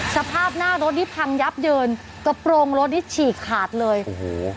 สภาพหน้ารถนี่พังยับเยินกระโปรงรถนี่ฉีกขาดเลยโอ้โห